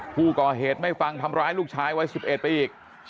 ผู้ก่อเหตุไม่ฟังทำร้ายลูกชายไว้สิบเอ็ดไปอีก